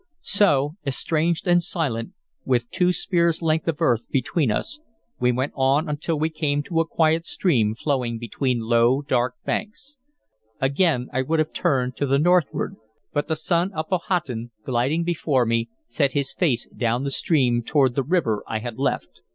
So, estranged and silent, with two spears' length of earth between us, we went on until we came to a quiet stream flowing between low, dark banks. Again I would have turned to the northward, but the son of Powhatan, gliding before me, set his face down the stream, toward the river I had left.